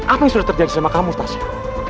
apa yang sudah terjadi sama kamu tasya